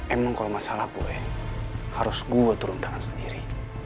emang kalo masalah boy harus gue turun tangan sendiri